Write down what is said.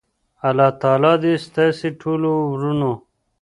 الله تعالی دی ستاسی ټولو ورونو